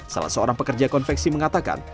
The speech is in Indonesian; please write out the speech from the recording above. salah seorang pekerja konveksi mengatakan